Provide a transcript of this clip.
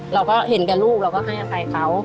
เราก็เห็นแต่ลูกเราก็จะให้รับไปเค้า